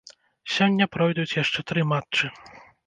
Сёння пройдуць яшчэ тры матчы.